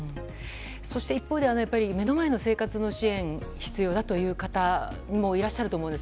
一方で、目の前の生活の支援が必要だという方もいらっしゃると思います。